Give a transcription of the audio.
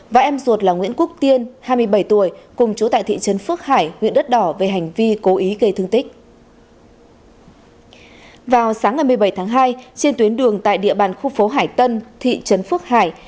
vào sáng ngày một mươi bảy tháng hai trên tuyến đường tại địa bàn khu phố hải tân thị trấn phước hải